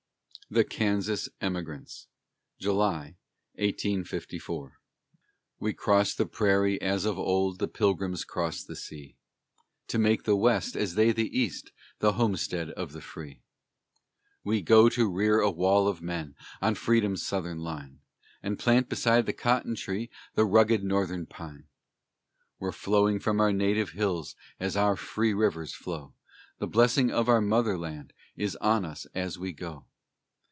THE KANSAS EMIGRANTS [July, 1854] We cross the prairie as of old The pilgrims crossed the sea, To make the West, as they the East, The homestead of the free! We go to rear a wall of men On Freedom's southern line, And plant beside the cotton tree The rugged Northern pine! We're flowing from our native hills As our free rivers flow: The blessing of our Mother land Is on us as we go.